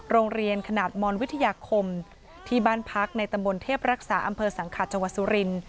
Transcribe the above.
โรงเรียนขนาดมอนวิทยาคมที่บ้านพักในตำบลเทพรักษาอำเภอสังขาดจังหวัดสุรินทร์